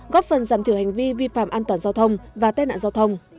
góp phần giảm thiểu hành vi vi phạm an toàn giao thông và tai nạn giao thông